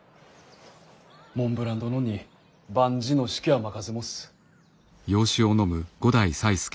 モンブラン殿に万事の指揮は任せもす。